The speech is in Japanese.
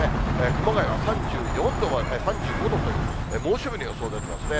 熊谷は３５度という猛暑日の予想出てますね。